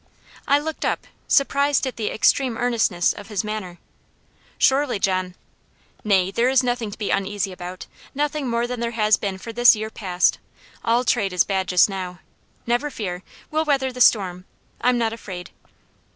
I looked up, surprised at the extreme earnestness of his manner. "Surely, John " "Nay, there is nothing to be uneasy about nothing more than there has been for this year past. All trade is bad just now. Never fear, we'll weather the storm I'm not afraid."